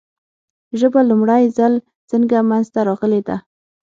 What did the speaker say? ژبه لومړی ځل څنګه منځ ته راغلې ده ؟